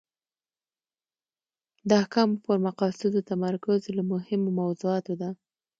د احکامو پر مقاصدو تمرکز له مهمو موضوعاتو ده.